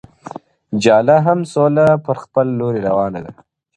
جاله هم سوله پر خپل لوري روانه-